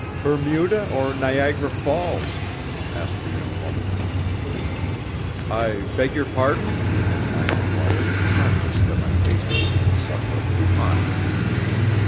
"Bermuda or Niagara Falls?" asked the young woman. "I beg your pardon?" I inquired, conscious that my face was insufferably hot.